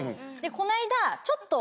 この間。